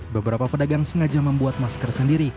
beberapa pedagang sengaja membuat masker sendiri